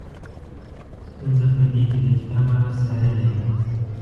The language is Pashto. ستونزه په دې کې ده چې دا مرض ساري دی.